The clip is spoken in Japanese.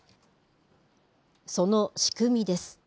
その仕組みです。